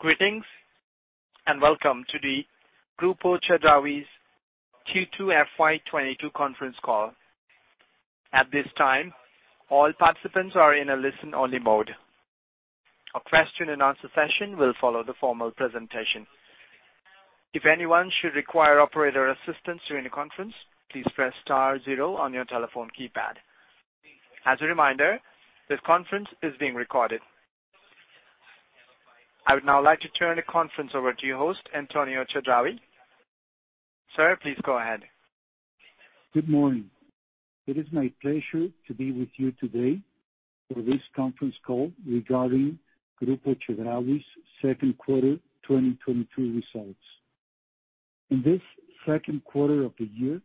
Greetings and welcome to the Grupo Chedraui's Q2 FY2022 conference call. At this time, all participants are in a listen-only mode. A question and answer session will follow the formal presentation. If anyone should require operator assistance during the conference, please press star zero on your telephone keypad. As a reminder, this conference is being recorded. I would now like to turn the conference over to your host, Antonio Chedraui. Sir, please go ahead. Good morning. It is my pleasure to be with you today for this conference call regarding Grupo Chedraui's second quarter 2022 results. In this second quarter of the year,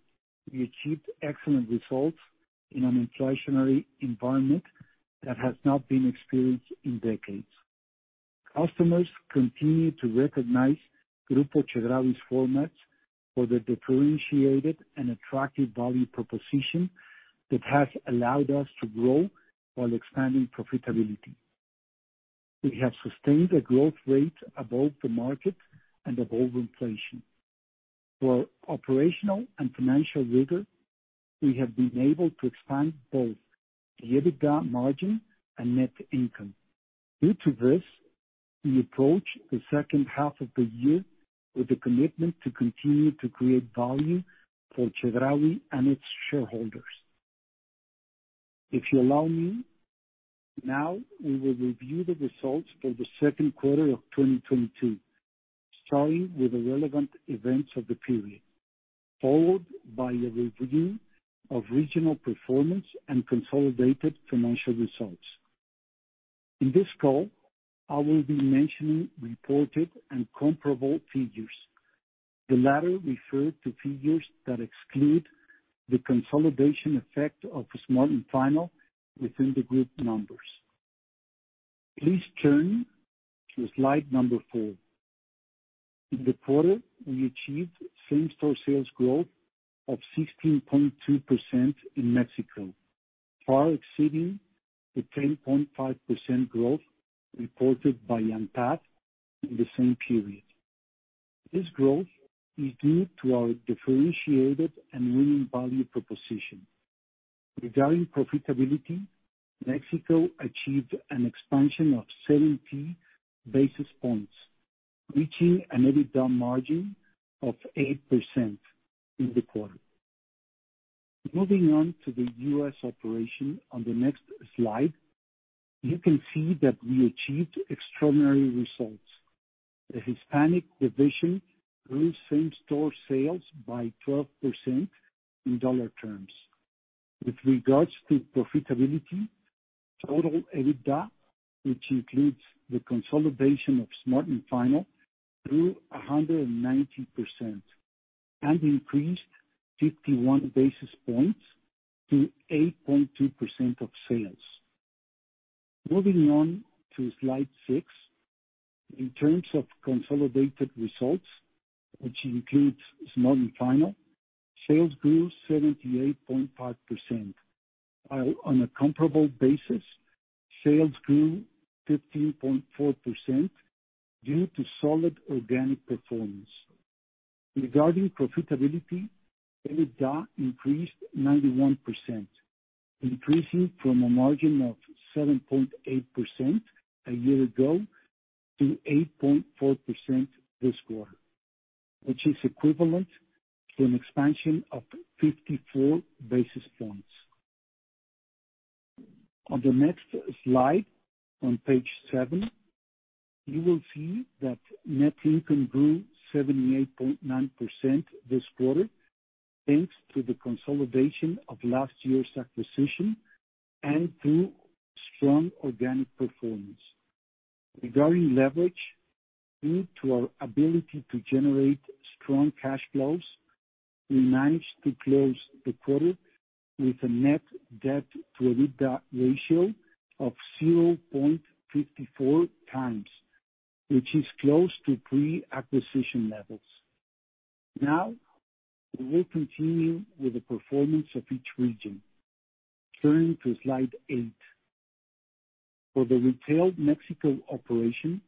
we achieved excellent results in an inflationary environment that has not been experienced in decades. Customers continue to recognize Grupo Chedraui's formats for their differentiated and attractive value proposition that has allowed us to grow while expanding profitability. We have sustained a growth rate above the market and above inflation. Through our operational and financial rigor, we have been able to expand both the EBITDA margin and net income. Due to this, we approach the second half of the year with a commitment to continue to create value for Chedraui and its shareholders. If you allow me, now we will review the results for the second quarter of 2022, starting with the relevant events of the period, followed by a review of regional performance and consolidated financial results. In this call, I will be mentioning reported and comparable figures. The latter refer to figures that exclude the consolidation effect of Smart & Final within the group numbers. Please turn to slide 4. In the quarter, we achieved same-store sales growth of 16.2% in Mexico, far exceeding the 10.5% growth reported by ANTAD in the same period. This growth is due to our differentiated and winning value proposition. Regarding profitability, Mexico achieved an expansion of 70 basis points, reaching an EBITDA margin of 8% in the quarter. Moving on to the U.S. operation on the next slide, you can see that we achieved extraordinary results. The Hispanic division grew same-store sales by 12% in dollar terms. With regards to profitability, total EBITDA, which includes the consolidation of Smart & Final, grew 190% and increased 51 basis points to 8.2% of sales. Moving on to slide 6. In terms of consolidated results, which includes Smart & Final, sales grew 78.5%. On a comparable basis, sales grew 15.4% due to solid organic performance. Regarding profitability, EBITDA increased 91%, increasing from a margin of 7.8% a year ago to 8.4% this quarter, which is equivalent to an expansion of 54 basis points. On the next slide, on page seven, you will see that net income grew 78.9% this quarter, thanks to the consolidation of last year's acquisition and through strong organic performance. Regarding leverage, due to our ability to generate strong cash flows, we managed to close the quarter with a net debt to EBITDA ratio of 0.54x, which is close to pre-acquisition levels. Now, we will continue with the performance of each region. Turn to slide eight. For the retail Mexico operation,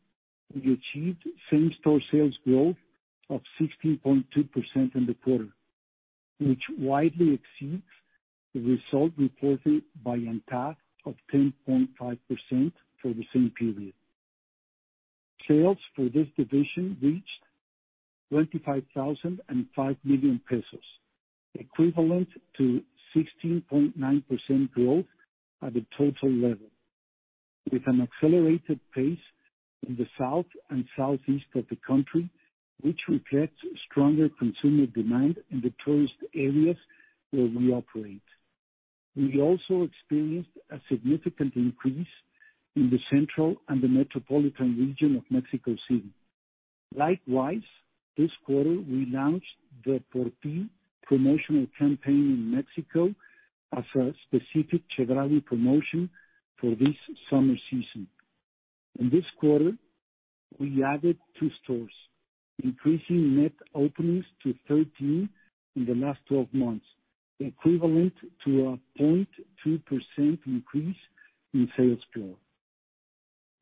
we achieved same-store sales growth of 16.2% in the quarter, which widely exceeds the result reported by ANTAD of 10.5% for the same period. Sales for this division reached 25,005 million pesos, equivalent to 16.9% growth at the total level, with an accelerated pace in the south and southeast of the country, which reflects stronger consumer demand in the tourist areas where we operate. We also experienced a significant increase in the central and the metropolitan region of Mexico City. Likewise, this quarter we launched the Por Ti promotional campaign in Mexico as a specific Chedraui promotion for this summer season. In this quarter, we added two stores, increasing net openings to 13 in the last 12 months, equivalent to a 0.2% increase in sales growth.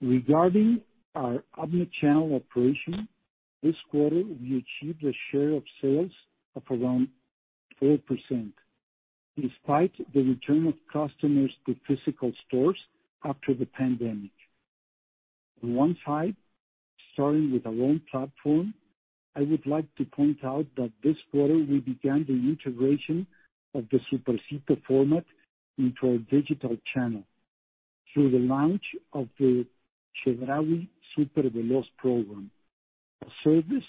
Regarding our omni-channel operation, this quarter we achieved a share of sales of around 4% despite the return of customers to physical stores after the pandemic. On one side, starting with our own platform, I would like to point out that this quarter we began the integration of the Supercito format into our digital channel through the launch of the Chedraui Super Veloz program, a service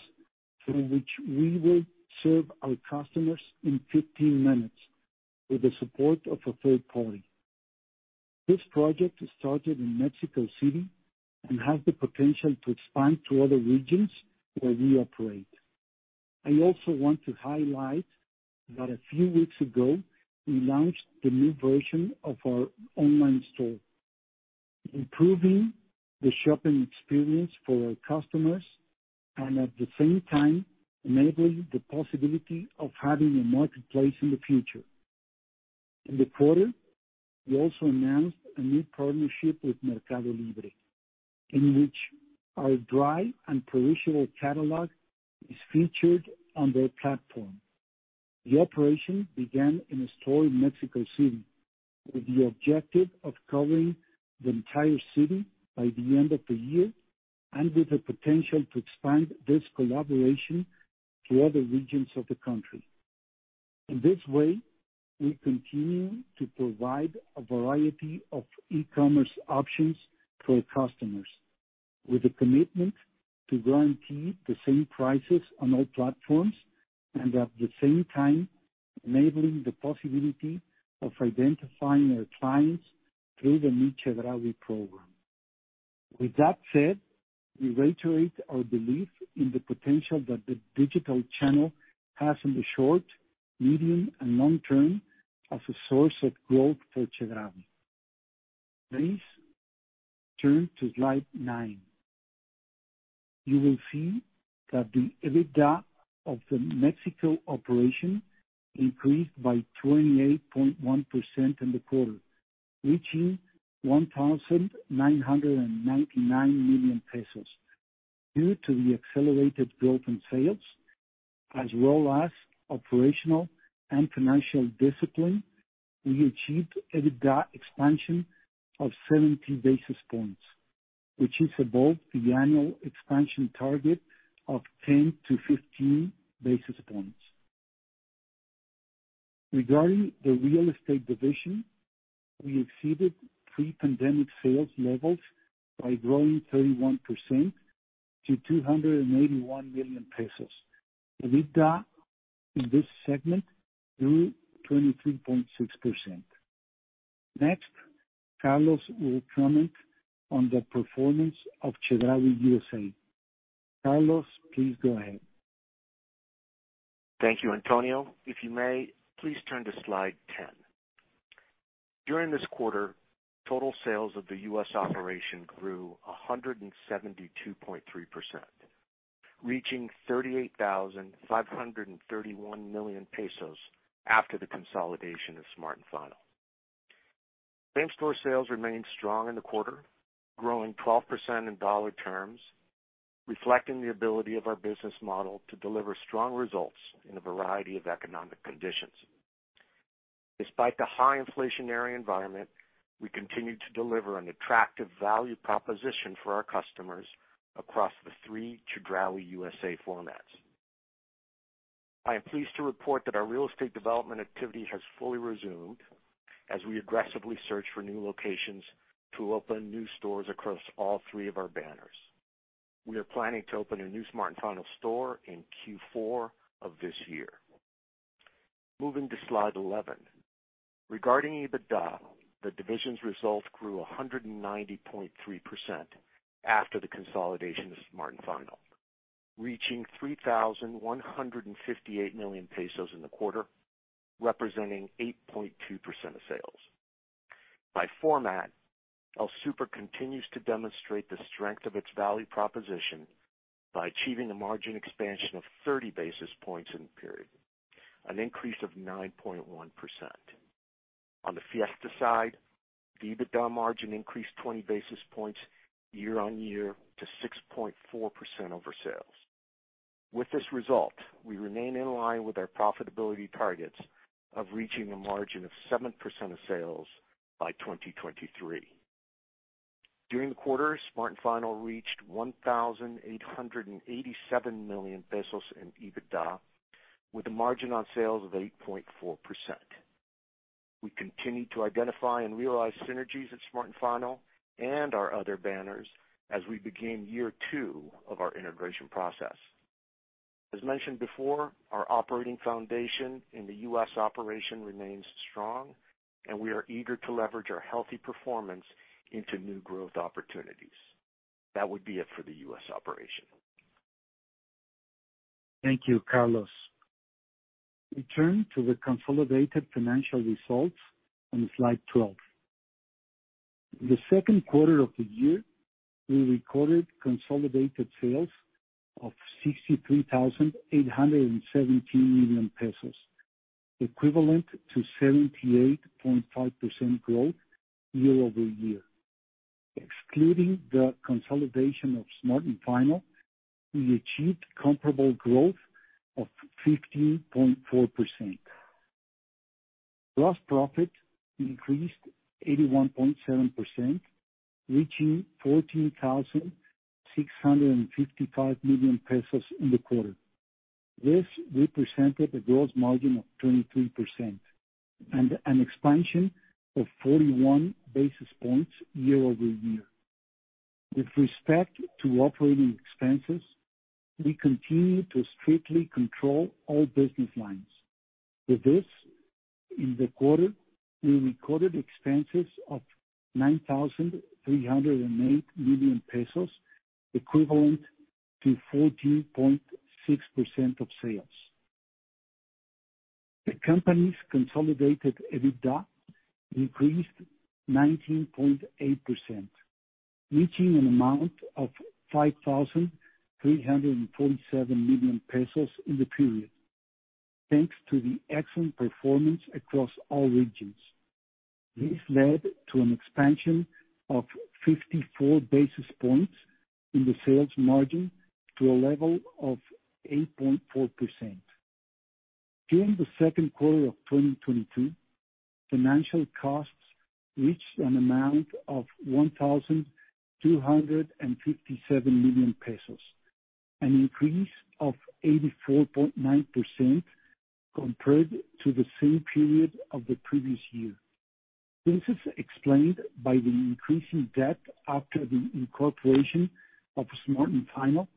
through which we will serve our customers in 15 minutes with the support of a third party. This project started in Mexico City and has the potential to expand to other regions where we operate. I also want to highlight that a few weeks ago, we launched the new version of our online store, improving the shopping experience for our customers and at the same time enabling the possibility of having a marketplace in the future. In the quarter, we also announced a new partnership with Mercado Libre, in which our dry and perishable catalog is featured on their platform. The operation began in a store in Mexico City with the objective of covering the entire city by the end of the year and with the potential to expand this collaboration to other regions of the country. In this way, we continue to provide a variety of e-commerce options to our customers with a commitment to guarantee the same prices on all platforms and at the same time enabling the possibility of identifying our clients through the new Chedraui program. With that said, we reiterate our belief in the potential that the digital channel has in the short, medium, and long term as a source of growth for Chedraui. Please turn to slide nine. You will see that the EBITDA of the Mexico operation increased by 28.1% in the quarter, reaching 1,999 million pesos. Due to the accelerated growth in sales as well as operational and financial discipline, we achieved EBITDA expansion of 70 basis points, which is above the annual expansion target of 10-15 basis points. Regarding the real estate division, we exceeded pre-pandemic sales levels by growing 31% to 281 million pesos. EBITDA in this segment grew 23.6%. Next, Carlos will comment on the performance of Chedraui USA. Carlos, please go ahead. Thank you, Antonio. If you may, please turn to slide 10. During this quarter, total sales of the U.S. operation grew 172.3%, reaching 38,531 million pesos after the consolidation of Smart & Final. Same-store sales remained strong in the quarter, growing 12% in dollar terms, reflecting the ability of our business model to deliver strong results in a variety of economic conditions. Despite the high inflationary environment, we continued to deliver an attractive value proposition for our customers across the three Chedraui USA formats. I am pleased to report that our real estate development activity has fully resumed as we aggressively search for new locations to open new stores across all three of our banners. We are planning to open a new Smart & Final store in Q4 of this year. Moving to slide 11. Regarding EBITDA, the division's results grew 190.3% after the consolidation of Smart & Final, reaching 3,158 million pesos in the quarter, representing 8.2% of sales. By format, El Super continues to demonstrate the strength of its value proposition by achieving a margin expansion of 30 basis points in the period, an increase of 9.1%. On the Fiesta side, the EBITDA margin increased 20 basis points year-over-year to 6.4% over sales. With this result, we remain in line with our profitability targets of reaching a margin of 7% of sales by 2023. During the quarter, Smart & Final reached 1,887 million pesos in EBITDA with a margin on sales of 8.4%. We continue to identify and realize synergies at Smart & Final and our other banners as we begin year two of our integration process. As mentioned before, our operating foundation in the U.S. operation remains strong, and we are eager to leverage our healthy performance into new growth opportunities. That would be it for the U.S. operation. Thank you, Carlos. We turn to the consolidated financial results on slide 12. The second quarter of the year, we recorded consolidated sales of 63,817 million pesos, equivalent to 78.5% growth year-over-year. Excluding the consolidation of Smart & Final, we achieved comparable growth of 15.4%. Gross profit increased 81.7%, reaching 14,655 million pesos in the quarter. This represented a gross margin of 23% and an expansion of 41 basis points year-over-year. With respect to operating expenses, we continue to strictly control all business lines. With this, in the quarter, we recorded expenses of 9,308 million pesos, equivalent to 14.6% of sales. The company's consolidated EBITDA increased 19.8%, reaching an amount of 5,347 million pesos in the period, thanks to the excellent performance across all regions. This led to an expansion of 54 basis points in the sales margin to a level of 8.4%. During the second quarter of 2022, financial costs reached an amount of 1,257 million pesos, an increase of 84.9% compared to the same period of the previous year. This is explained by the increasing debt after the incorporation of Smart & Final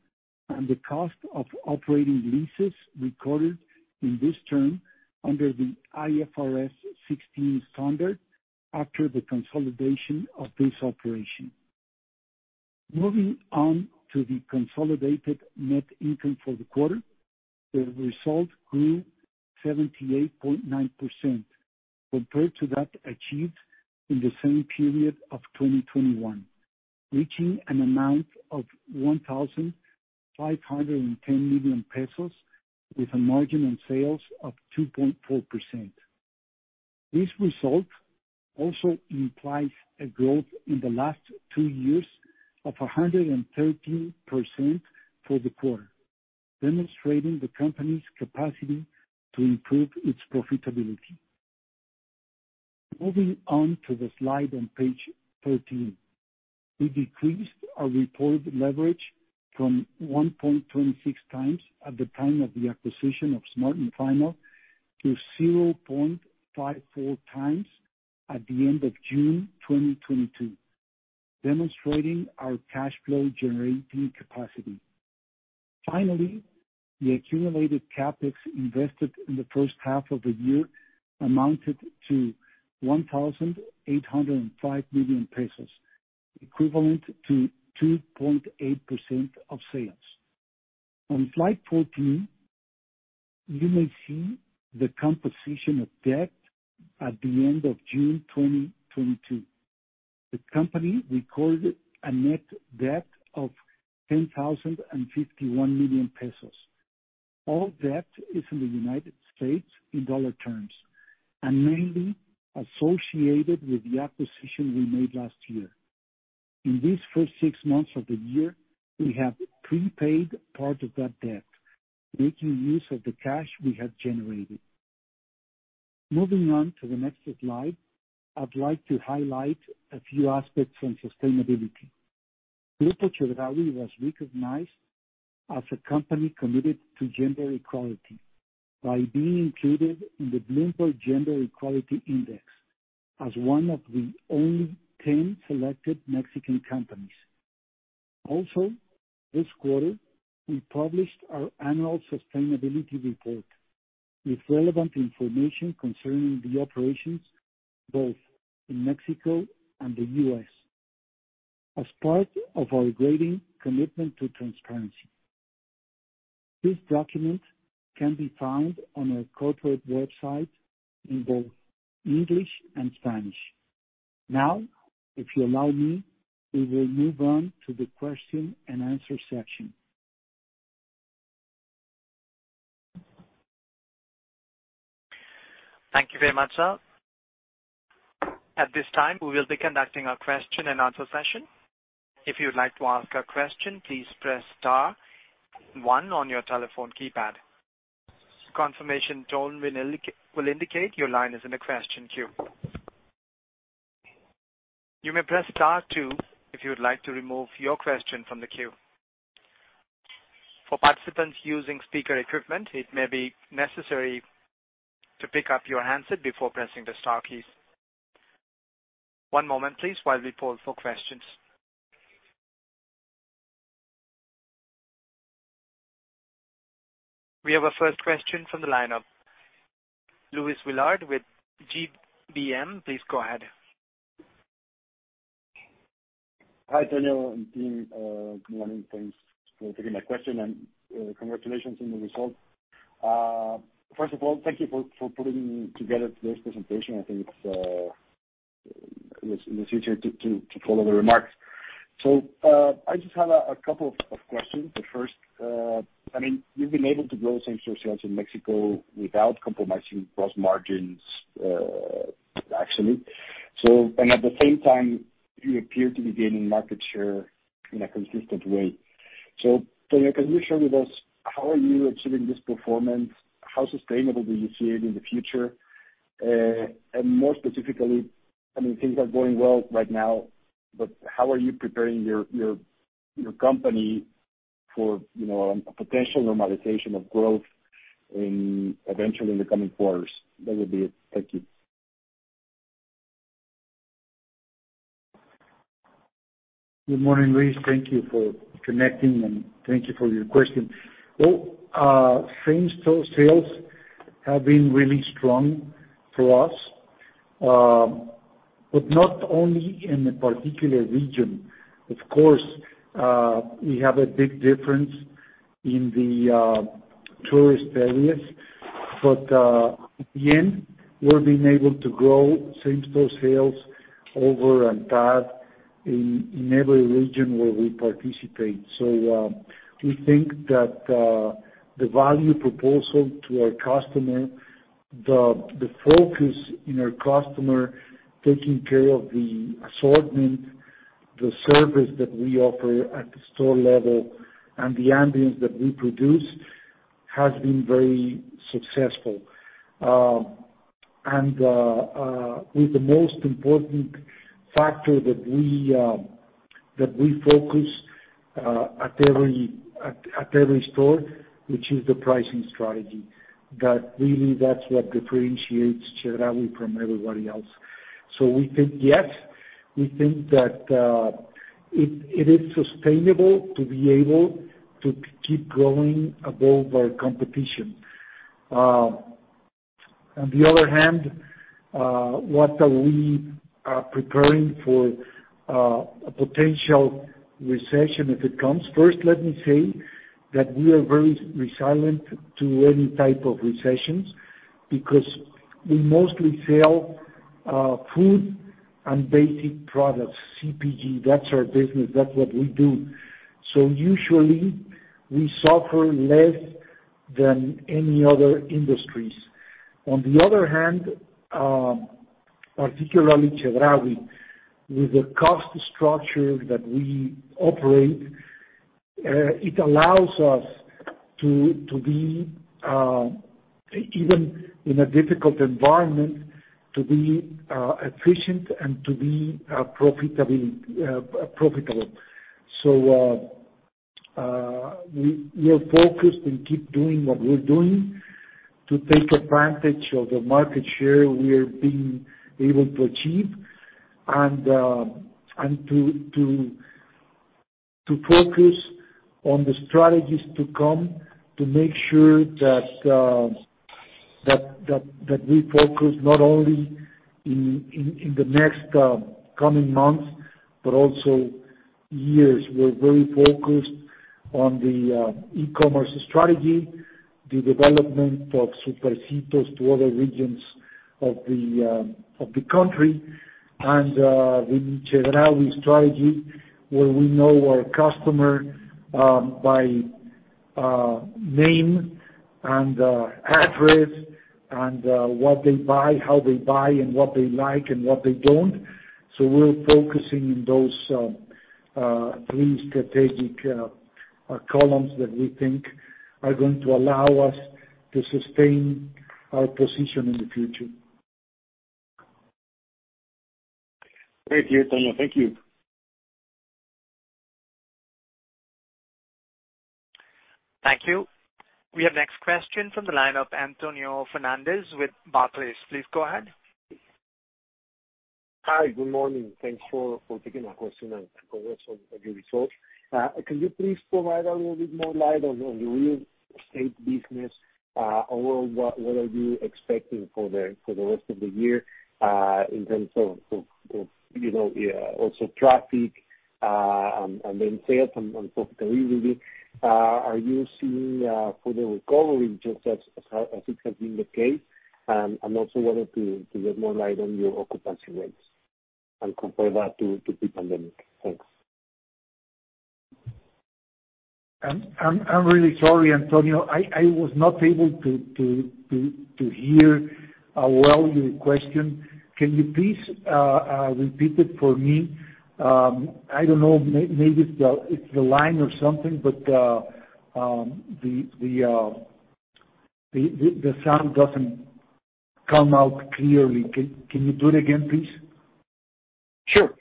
and the cost of operating leases recorded in this term under the IFRS 16 standard after the consolidation of this operation. Moving on to the consolidated net income for the quarter. The result grew 78.9% compared to that achieved in the same period of 2021, reaching an amount of 1,510 million pesos with a margin on sales of 2.4%. This result also implies a growth in the last two years of 113% for the quarter, demonstrating the company's capacity to improve its profitability. Moving on to the slide on page 13. We decreased our reported leverage from 1.26x at the time of the acquisition of Smart & Final to 0.54x at the end of June 2022, demonstrating our cash flow generating capacity. Finally, the accumulated CapEx invested in the first half of the year amounted to 1,805 million pesos, equivalent to 2.8% of sales. On slide 14, you may see the composition of debt at the end of June 2022. The company recorded a net debt of 10,051 million pesos. All debt is in U.S. dollar terms and mainly associated with the acquisition we made last year. In these first six months of the year, we have prepaid part of that debt, making use of the cash we have generated. Moving on to the next slide. I'd like to highlight a few aspects on sustainability. Grupo Chedraui was recognized as a company committed to gender equality by being included in the Bloomberg Gender-Equality Index as one of the only 10 selected Mexican companies. Also, this quarter, we published our annual sustainability report with relevant information concerning the operations both in Mexico and the U.S. as part of our ongoing commitment to transparency. This document can be found on our corporate website in both English and Spanish. Now, if you allow me, we will move on to the question-and-answer session. Thank you very much, sir. At this time, we will be conducting our question-and-answer session. If you would like to ask a question, please press star one on your telephone keypad. Confirmation tone will indicate your line is in the question queue. You may press star two if you would like to remove your question from the queue. For participants using speaker equipment, it may be necessary to pick up your handset before pressing the star keys. One moment, please, while we poll for questions. We have our first question from the lineup. Luis Willard with GBM, please go ahead. Hi, Tonio and team, good morning. Thanks for taking my question and, congratulations on the results. First of all, thank you for putting together today's presentation. I think it's in the future to follow the remarks. I just have a couple of questions. The first, I mean, you've been able to grow same store sales in Mexico without compromising gross margins, actually. At the same time, you appear to be gaining market share in a consistent way. Tonio, can you share with us how are you achieving this performance? How sustainable do you see it in the future? More specifically, I mean, things are going well right now, but how are you preparing your company for, you know, a potential normalization of growth in eventually in the coming quarters? That would be it. Thank you. Good morning, Luis. Thank you for connecting, and thank you for your question. Same store sales have been really strong for us, but not only in a particular region. Of course, we have a big difference in the tourist areas, but in the end, we're being able to grow same store sales overall on par in every region where we participate. We think that the value proposition to our customer, the focus on our customer, taking care of the assortment, the service that we offer at the store level and the ambience that we produce has been very successful. With the most important factor that we focus at every store, which is the pricing strategy, that really that's what differentiates Chedraui from everybody else. We think that it is sustainable to be able to keep growing above our competition. On the other hand, what are we preparing for, a potential recession if it comes? First, let me say that we are very resilient to any type of recessions because we mostly sell food and basic products, CPG, that's our business. That's what we do. Usually we suffer less than any other industries. On the other hand, particularly Chedraui, with the cost structure that we operate, it allows us to be even in a difficult environment, to be efficient and to be profitable. We are focused and keep doing what we're doing to take advantage of the market share we are being able to achieve and to focus on the strategies to come to make sure that we focus not only in the next coming months, but also years. We're very focused on the e-commerce strategy, the development of Supercito to other regions of the country. With Chedraui strategy where we know our customer by name and address and what they buy, how they buy, and what they like and what they don't. We're focusing in those three strategic columns that we think are going to allow us to sustain our position in the future. Thank you, Tonio. Thank you. Thank you. We have next question from the line of Antonio Hernandez with Barclays. Please go ahead. Hi. Good morning. Thanks for taking our question and congrats on your results. Can you please provide a little bit more light on the real estate business? Overall, what are you expecting for the rest of the year in terms of you know also traffic and then sales and profitability? Are you seeing further recovery just as how it has been the case? I also wanted to get more light on your occupancy rates and compare that to pre-pandemic. Thanks. I'm really sorry, Antonio. I was not able to hear well your question. Can you please repeat it for me? I don't know, maybe it's the line or something, but the sound doesn't come out clearly. Can you do it again, please? Sure.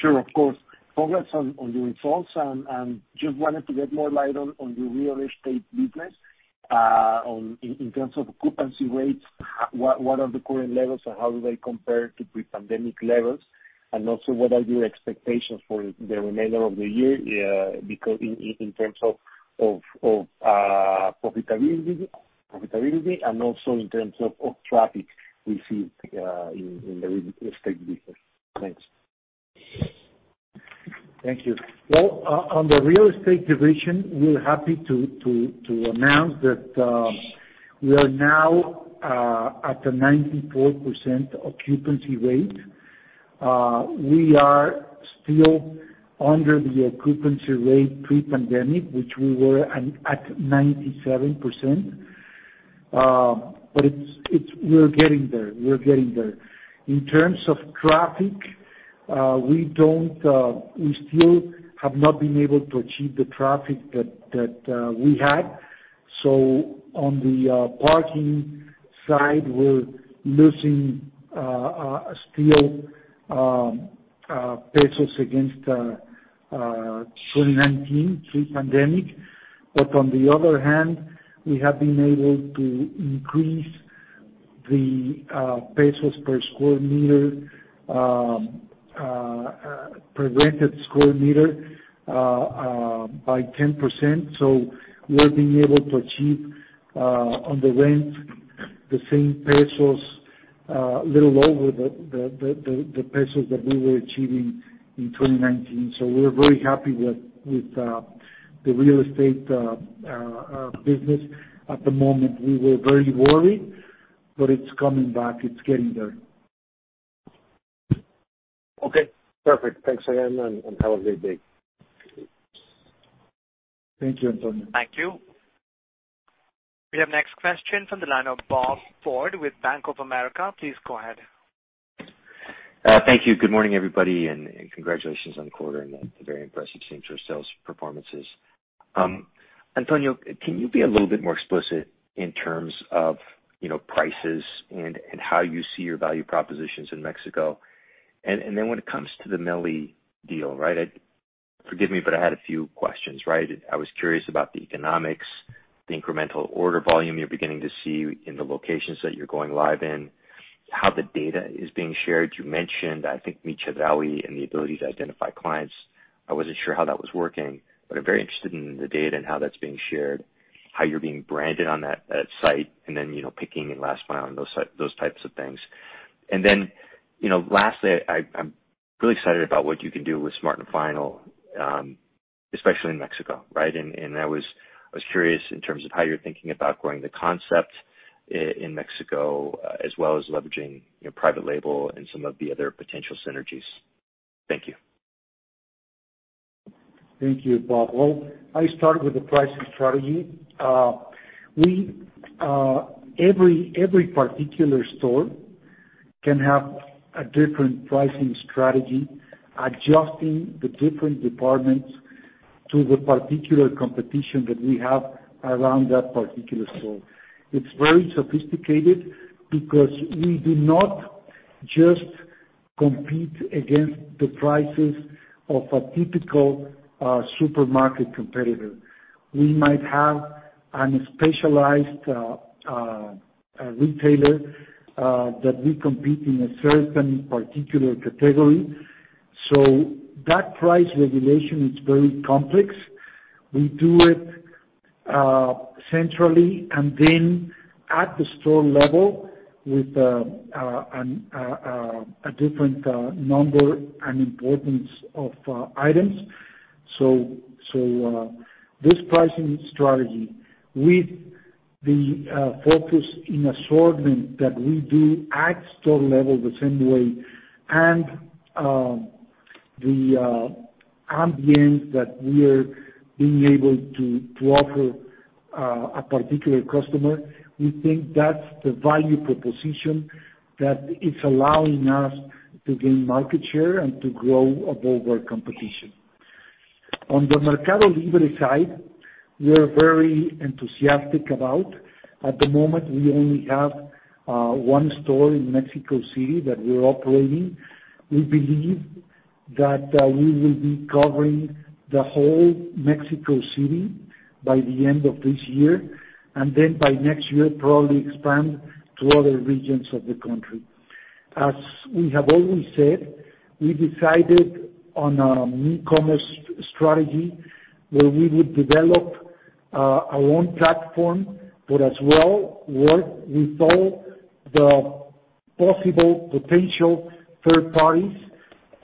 Sure. Of course. Congrats on your results. Just wanted to shed more light on your real estate business. In terms of occupancy rates, what are the current levels and how do they compare to pre-pandemic levels? What are your expectations for the remainder of the year, because in terms of profitability and also in terms of traffic we see in the real estate business? Thanks. Thank you. Well, on the real estate division, we're happy to announce that we are now at a 94% occupancy rate. We are still under the occupancy rate pre-pandemic, which we were at 97%. We're getting there. In terms of traffic, we don't. We still have not been able to achieve the traffic that we had. On the parking side, we're still losing MXN against 2019 pre-pandemic. On the other hand, we have been able to increase the MXN per square meter per rented square meter by 10%. We're being able to achieve on the rent the same pesos, a little lower, the pesos that we were achieving in 2019. We're very happy with the real estate business at the moment. We were very worried, but it's coming back. It's getting there. Okay, perfect. Thanks again, and have a great day. Thank you, Antonio. Thank you. We have next question from the line of Robert Ford with Bank of America. Please go ahead. Thank you. Good morning, everybody, and congratulations on the quarter and the very impressive same-store sales performances. Antonio, can you be a little bit more explicit in terms of, you know, prices and how you see your value propositions in Mexico? When it comes to the Mercado Libre deal, right? Forgive me, but I had a few questions, right? I was curious about the economics, the incremental order volume you're beginning to see in the locations that you're going live in, how the data is being shared. You mentioned, I think, Mi Chedraui and the ability to identify clients. I wasn't sure how that was working, but I'm very interested in the data and how that's being shared, how you're being branded on that site, and then, you know, picking and last mile and those types of things. You know, lastly, I'm really excited about what you can do with Smart & Final, especially in Mexico, right? I was curious in terms of how you're thinking about growing the concept in Mexico as well as leveraging your private label and some of the other potential synergies. Thank you. Thank you, Bob. Well, I start with the pricing strategy. Every particular store can have a different pricing strategy, adjusting the different departments to the particular competition that we have around that particular store. It's very sophisticated because we do not just compete against the prices of a typical supermarket competitor. We might have a specialized retailer that we compete in a certain particular category. That price regulation is very complex. We do it centrally and then at the store level with a different number and importance of items. This pricing strategy with the focus in assortment that we do at store level the same way and the ambience that we're being able to offer a particular customer, we think that's the value proposition that is allowing us to gain market share and to grow above our competition. On the Mercado Libre side, we're very enthusiastic about. At the moment, we only have one store in Mexico City that we're operating. We believe that we will be covering the whole Mexico City by the end of this year, and then by next year probably expand to other regions of the country. As we have always said, we decided on a new commerce strategy where we would develop our own platform, but as well work with all the possible potential third parties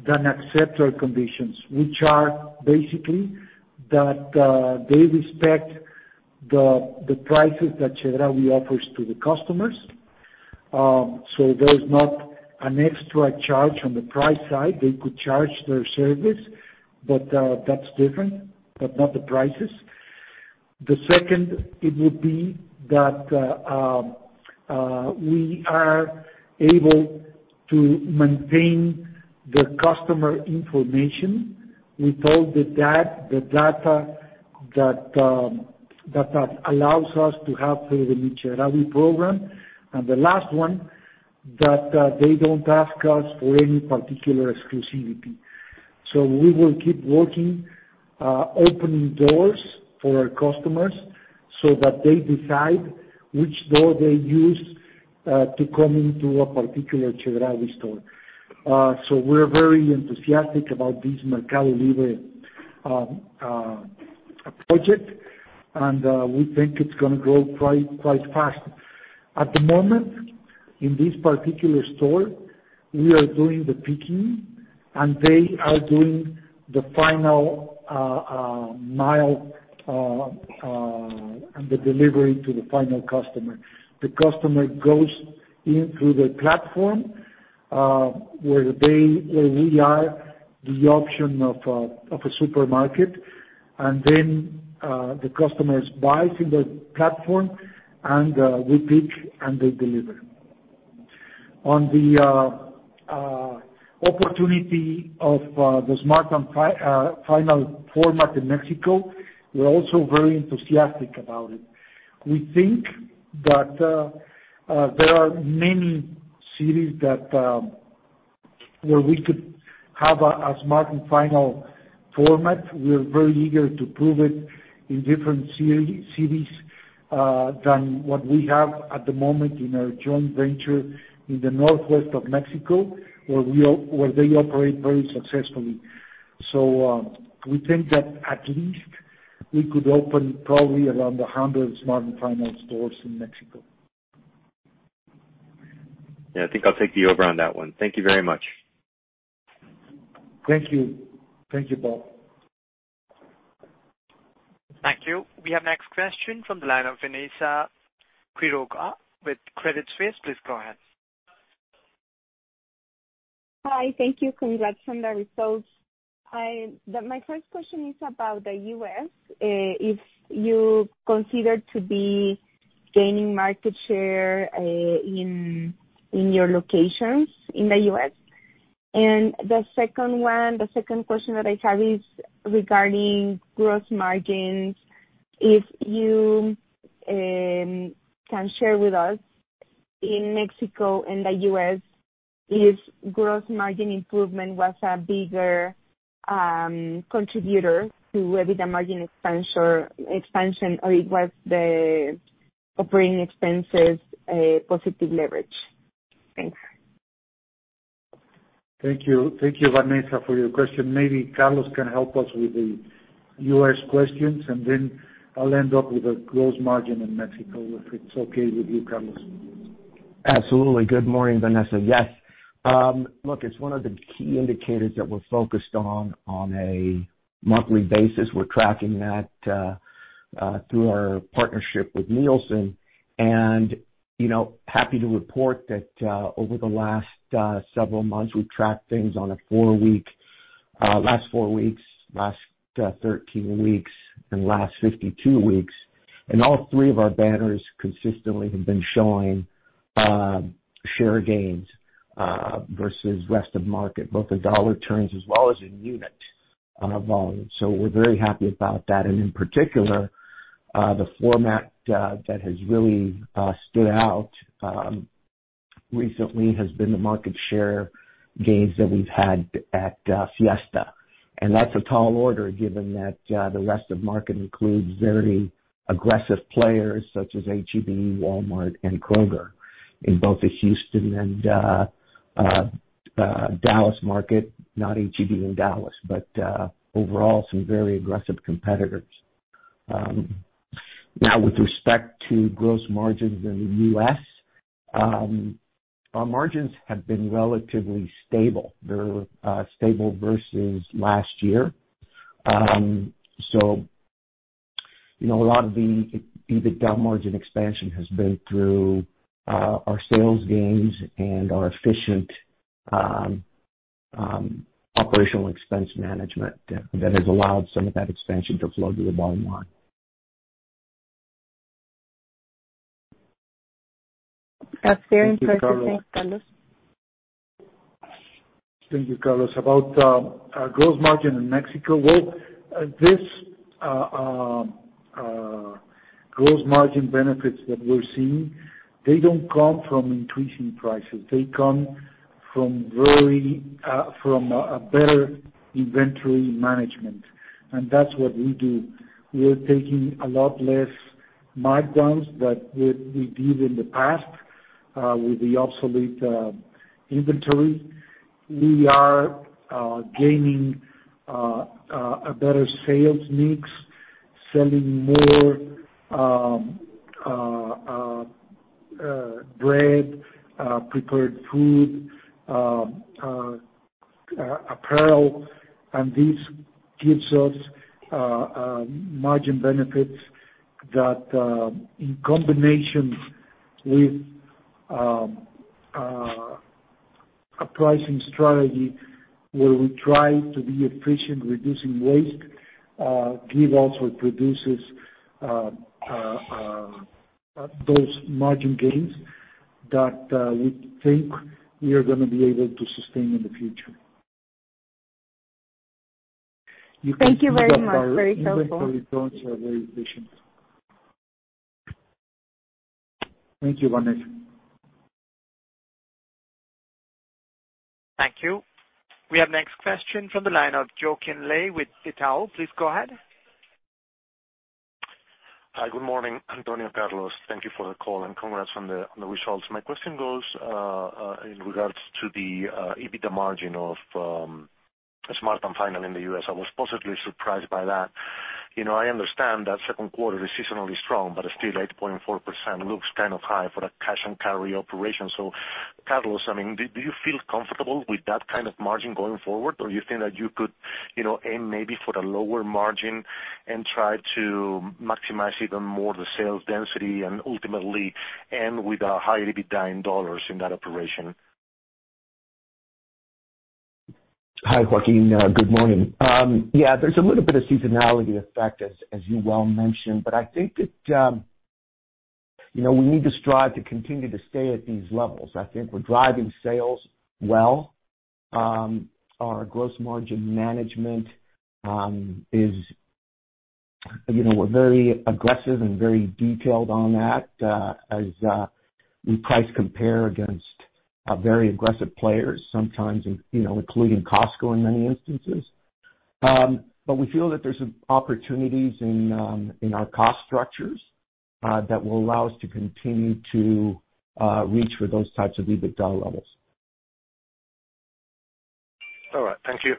that accept our conditions, which are basically that they respect the prices that Chedraui offers to the customers. There is not an extra charge on the price side. They could charge their service, but that's different, but not the prices. The second, it would be that we are able to maintain the customer information with all the data that allows us to have the Mi Chedraui program. The last one, that they don't ask us for any particular exclusivity. We will keep working, opening doors for our customers so that they decide which door they use, to come into a particular Chedraui store. We're very enthusiastic about this Mercado Libre project, and we think it's gonna grow quite fast. At the moment, in this particular store, we are doing the picking and they are doing the final mile and the delivery to the final customer. The customer goes in through the platform, where we are the option of a supermarket, and then, the customers buys in the platform, and we pick and they deliver. On the opportunity of the Smart & Final format in Mexico, we're also very enthusiastic about it. We think that there are many cities where we could have a Smart & Final format. We're very eager to prove it in different cities than what we have at the moment in our joint venture in the northwest of Mexico, where they operate very successfully. We think that at least we could open probably around 100 Smart & Final stores in Mexico. Yeah, I think I'll take the over on that one. Thank you very much. Thank you. Thank you, Bob. Thank you. We have next question from the line of Vanessa Quiroga with Credit Suisse. Please go ahead. Hi. Thank you. Congrats on the results. My first question is about the U.S., if you consider to be gaining market share in your locations in the U.S. The second question that I have is regarding gross margins, if you can share with us in Mexico and the U.S., if gross margin improvement was a bigger contributor to EBITDA margin expansion, or it was the operating expenses, a positive leverage. Thanks. Thank you. Thank you, Vanessa, for your question. Maybe Carlos can help us with the U.S. questions, and then I'll end up with the gross margin in Mexico, if it's okay with you, Carlos. Absolutely. Good morning, Vanessa. Yes. Look, it's one of the key indicators that we're focused on on a monthly basis. We're tracking that through our partnership with Nielsen. You know, happy to report that over the last several months, we've tracked things on a four-week last four weeks, last 13 weeks, and last 52 weeks, and all three of our banners consistently have been showing share gains versus rest of market, both in dollar terms as well as in unit volume. We're very happy about that. In particular, the format that has really stood out recently has been the market share gains that we've had at Fiesta. That's a tall order, given that the rest of market includes very aggressive players such as H-E-B, Walmart, and Kroger in both the Houston and Dallas market. Not H-E-B in Dallas, but overall, some very aggressive competitors. Now with respect to gross margins in the US, our margins have been relatively stable. They're stable versus last year. You know, a lot of the EBITDA margin expansion has been through our sales gains and our efficient operational expense management that has allowed some of that expansion to flow to the bottom line. That's very impressive. Thank you, Carlos. Thanks, Carlos. Thank you, Carlos. About gross margin in Mexico, well, this gross margin benefits that we're seeing, they don't come from increasing prices. They come from a better inventory management, and that's what we do. We are taking a lot less markdowns that we did in the past with the obsolete inventory. We are gaining a better sales mix, selling more bread, prepared food, apparel. This gives us margin benefits that, in combination with a pricing strategy where we try to be efficient reducing waste, give, also produces those margin gains that we think we are gonna be able to sustain in the future. Thank you very much. Very helpful. Our inventory turns are very efficient. Thank you, Vanessa. Thank you. We have next question from the line of Joaquín Ley with Itaú. Please go ahead. Hi, good morning, Antonio, Carlos. Thank you for the call and congrats on the results. My question goes in regards to the EBITDA margin of Smart & Final in the U.S. I was positively surprised by that. You know, I understand that second quarter is seasonally strong, but still 8.4% looks kind of high for a cash and carry operation. Carlos, I mean, do you feel comfortable with that kind of margin going forward, or you think that you could, you know, aim maybe for a lower margin and try to maximize even more the sales density and ultimately end with a higher EBITDA in dollars in that operation? Hi, Joaquín. Good morning. Yeah, there's a little bit of seasonality effect as you well mentioned, but I think that you know, we need to strive to continue to stay at these levels. I think we're driving sales well. Our gross margin management is you know, we're very aggressive and very detailed on that, as we price compare against very aggressive players sometimes, you know, including Costco in many instances. But we feel that there's opportunities in in our cost structures that will allow us to continue to reach for those types of EBITDA levels. All right. Thank you.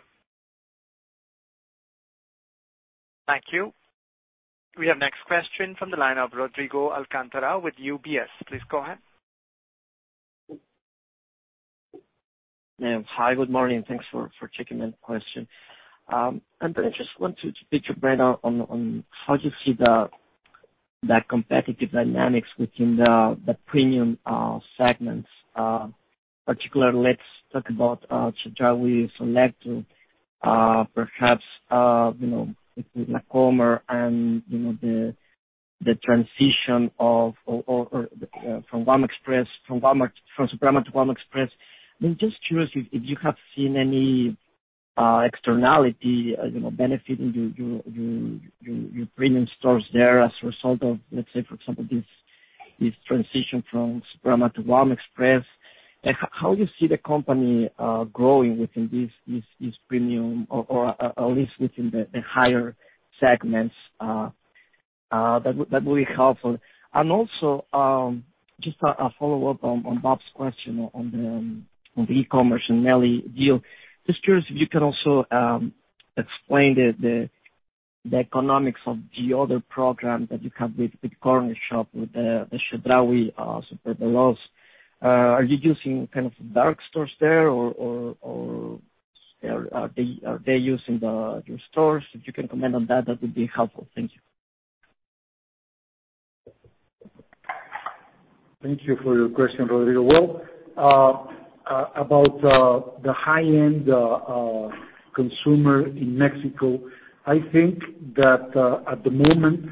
Thank you. We have next question from the line of Rodrigo Alcántara with UBS. Please go ahead. Yeah. Hi, good morning. Thanks for taking the question. I just want to pick your brain on how you see the competitive dynamics within the premium segments. Particularly let's talk about Selecto Chedraui or perhaps you know with La Comer and you know the transition or from Walmart Express from Walmart from Superama to Walmart Express. I'm just curious if you have seen any externality you know benefiting your premium stores there as a result of let's say for example this transition from Superama to Walmart Express. How you see the company growing within this premium or at least within the higher segments that would be helpful. Also, just a follow-up on Bob's question on the e-commerce and MELI deal. Just curious if you can also explain the economics of the other program that you have with Cornershop with the Chedraui Super Veloz. Are you using kind of dark stores there or are they using your stores? If you can comment on that would be helpful. Thank you. Thank you for your question, Rodrigo. Well, about the high-end consumer in Mexico, I think that at the moment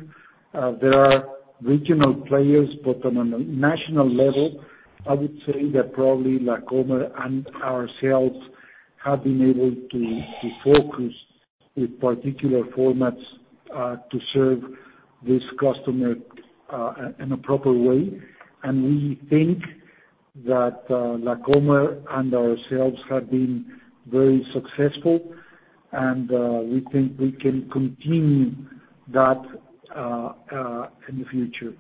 there are regional players, but on a national level, I would say that probably La Comer and ourselves have been able to to focus with particular formats to serve this customer in a proper way. We think that La Comer and ourselves have been very successful, and we think we can continue that in the future.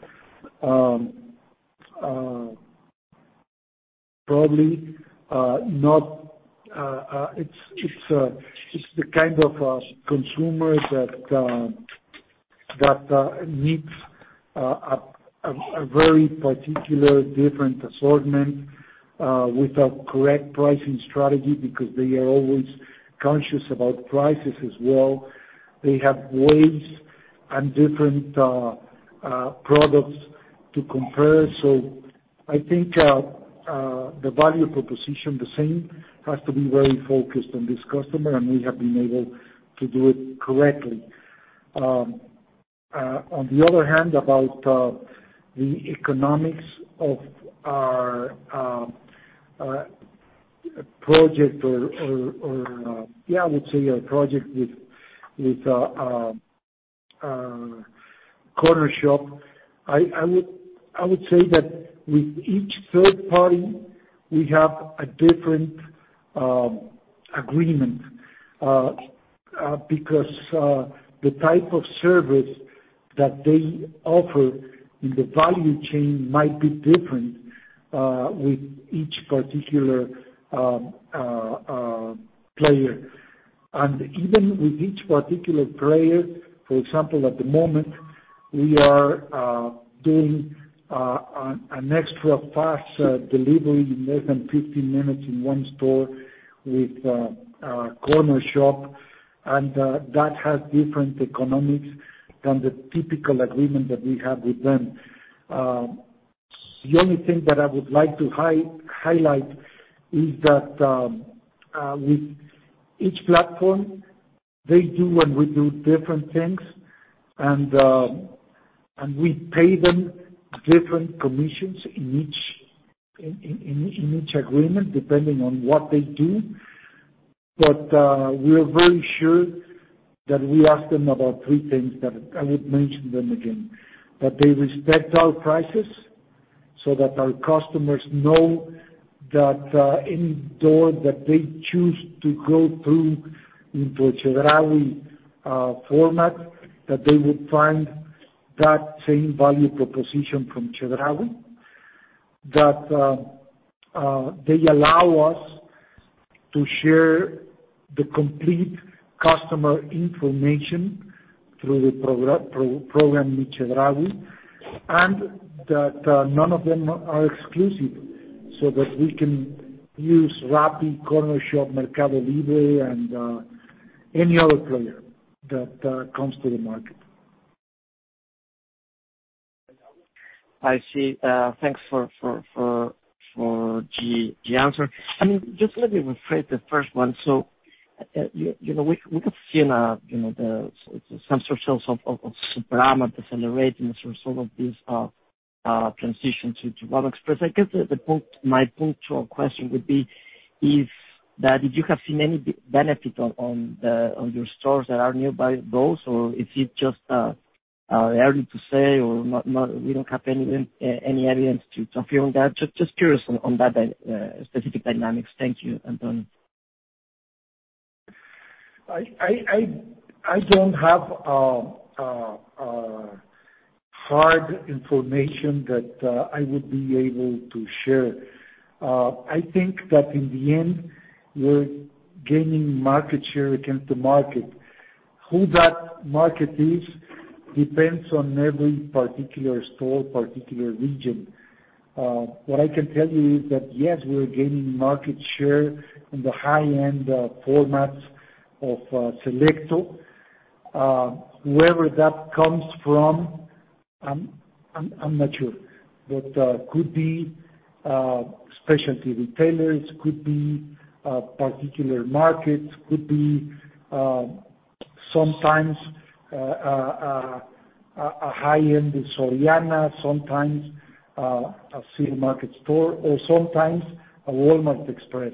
Probably not, it's the kind of a consumer that needs a very particular different assortment with a correct pricing strategy because they are always conscious about prices as well. They have ways and different products to compare. I think the value proposition the same has to be very focused on this customer, and we have been able to do it correctly. On the other hand, about the economics of our project with Cornershop. I would say that with each third party we have a different agreement because the type of service that they offer in the value chain might be different with each particular player. Even with each particular player, for example, at the moment we are doing an extra fast delivery in less than 15 minutes in one store with Cornershop, and that has different economics than the typical agreement that we have with them. The only thing that I would like to highlight is that with each platform they do and we do different things and we pay them different commissions in each in each agreement depending on what they do. We are very sure that we ask them about three things that I would mention them again, that they respect our prices so that our customers know that any door that they choose to go through into a Chedraui format, that they would find that same value proposition from Chedraui. That they allow us to share the complete customer information through the program Mi Chedraui, and that none of them are exclusive, so that we can use Rappi, Cornershop, Mercado Libre, and any other player that comes to the market. I see. Thanks for the answer. I mean, just let me rephrase the first one. You know, we have seen you know, some sort of Superama decelerating as a result of this transition to Walmart Express. I guess the point. My punctual question would be if that if you have seen any benefit on your stores that are nearby those, or is it just early to say or not, we don't have any evidence to confirm that? Just curious on that specific dynamics. Thank you, Antonio. I don't have hard information that I would be able to share. I think that in the end, we're gaining market share against the market. Who that market is depends on every particular store, particular region. What I can tell you is that yes, we are gaining market share in the high-end formats of Selecto. Wherever that comes from, I'm not sure. Could be specialty retailers, could be particular markets, could be sometimes a high-end Soriana, sometimes a Chedraui market store, or sometimes a Walmart Express.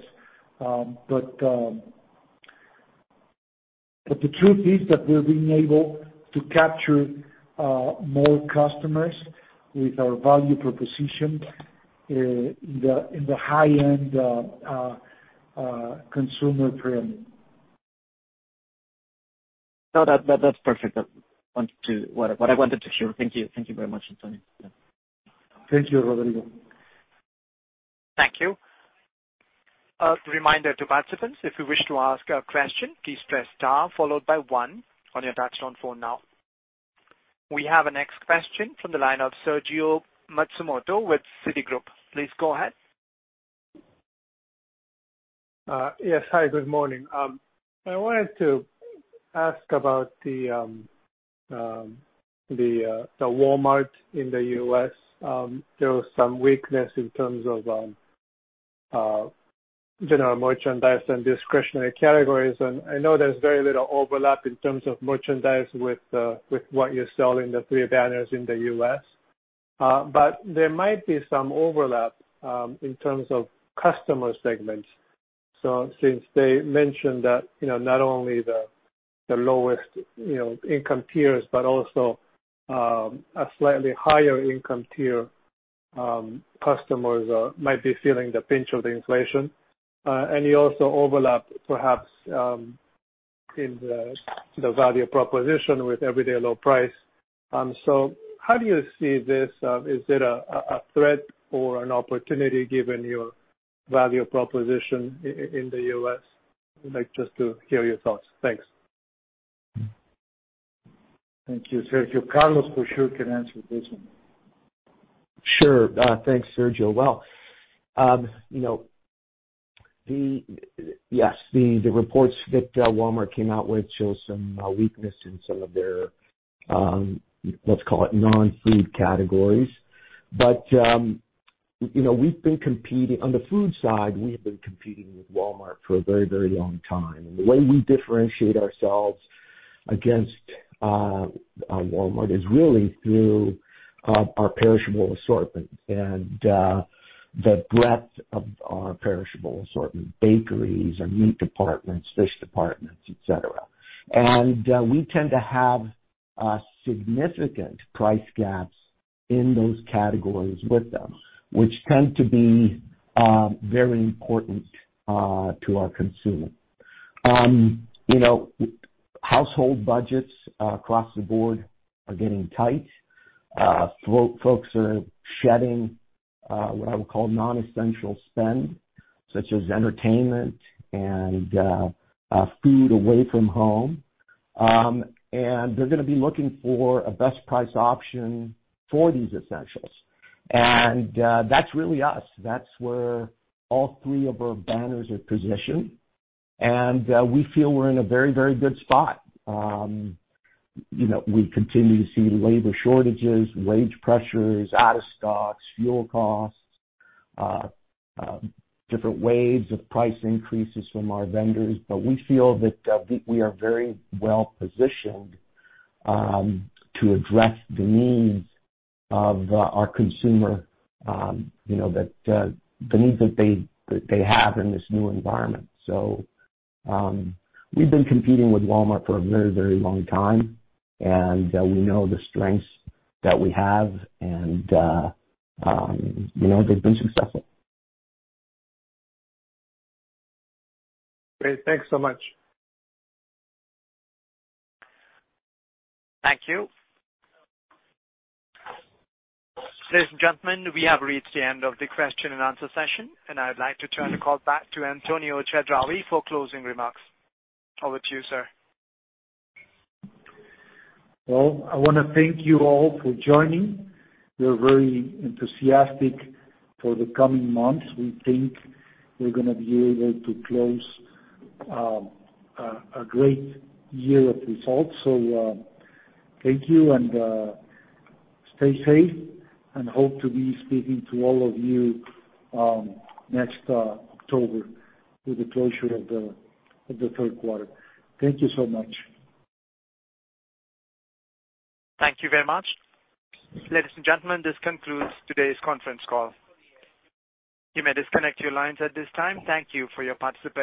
The truth is that we're being able to capture more customers with our value proposition in the high-end consumer premium. No. That's perfect. That's what I wanted to hear. Thank you. Thank you very much, Antonio. Yeah. Thank you, Rodrigo Alcántara. Thank you. Reminder to participants, if you wish to ask a question, please press star followed by one on your touchtone phone now. We have our next question from the line of Sergio Matsumoto with Citigroup. Please go ahead. Yes. Hi, good morning. I wanted to ask about the Walmart in the U.S. There was some weakness in terms of general merchandise and discretionary categories, and I know there's very little overlap in terms of merchandise with what you sell in the three banners in the U.S. There might be some overlap in terms of customer segments. Since they mentioned that, you know, not only the lowest income tiers, but also a slightly higher income tier customers might be feeling the pinch of the inflation. You also overlap perhaps in the value proposition with everyday low price. How do you see this? Is it a threat or an opportunity given your value proposition in the U.S.? I'd like just to hear your thoughts. Thanks. Thank you, Sergio. Carlos, for sure, can answer this one. Sure. Thanks, Sergio. Well, you know, the reports that Walmart came out with show some weakness in some of their let's call it non-food categories. You know, we've been competing on the food side with Walmart for a very, very long time. The way we differentiate ourselves against Walmart is really through our perishable assortment and the breadth of our perishable assortment, bakeries, our meat departments, fish departments, et cetera. We tend to have significant price gaps in those categories with them, which tend to be very important to our consumer. You know, household budgets across the board are getting tight. Folks are shedding what I would call non-essential spend, such as entertainment and food away from home. They're gonna be looking for a best price option for these essentials. That's really us. That's where all three of our banners are positioned. We feel we're in a very, very good spot. You know, we continue to see labor shortages, wage pressures, out of stocks, fuel costs, different waves of price increases from our vendors. But we feel that we are very well positioned to address the needs of our consumer, you know, the needs that they have in this new environment. We've been competing with Walmart for a very, very long time, and we know the strengths that we have, you know, they've been successful. Great. Thanks so much. Thank you. Ladies and gentlemen, we have reached the end of the question and answer session, and I'd like to turn the call back to Antonio Chedraui for closing remarks. Over to you, sir. Well, I wanna thank you all for joining. We're very enthusiastic for the coming months. We think we're gonna be able to close a great year of results. Thank you and stay safe, and hope to be speaking to all of you next October with the closure of the third quarter. Thank you so much. Thank you very much. Ladies and gentlemen, this concludes today's conference call. You may disconnect your lines at this time. Thank you for your participation.